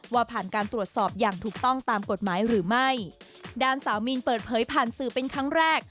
ว่าผ่านการตรวจสอบอย่างถูกต้องตามกฎหมายหรือไม่ด้านสาวมีนเปิดเผยผ่านสื่อเป็นครั้งแรก